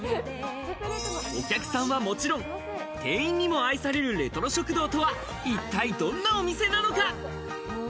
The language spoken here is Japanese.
お客さんはもちろん、店員にも愛されるレトロ食堂とは一体どんなお店なのか。